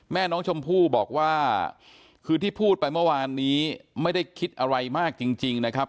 แม่น้องชมพู่บอกว่าคือที่พูดไปเมื่อวานนี้ไม่ได้คิดอะไรมากจริงนะครับ